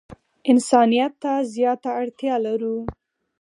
انسانیت ته زیاته اړتیا لرو.